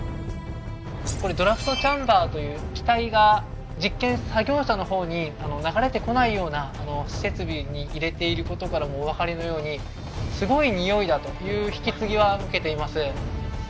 これドラフトチャンバーという気体が実験作業者の方に流れてこないような設備に入れていることからもお分かりのようにすごいにおいだという引き継ぎは受けています。